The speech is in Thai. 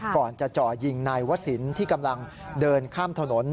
ก่อนจะจ่อยิงนายวศิลป์ที่กำลังเดินข้ามถนน